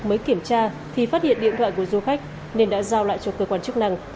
mới kiểm tra thì phát hiện điện thoại của du khách nên đã giao lại cho cơ quan chức năng